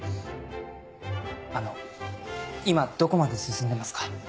あの今どこまで進んでますか？